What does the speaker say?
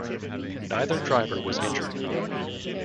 Neither driver was injured.